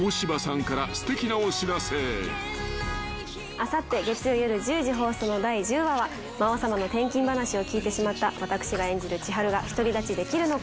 あさって月曜夜１０時放送の第１０話は魔王様の転勤話を聞いてしまった私が演じる千晴が独り立ちできるのか。